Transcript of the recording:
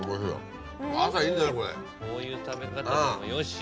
こういう食べ方でもよし。